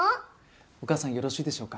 お母さんよろしいでしょうか？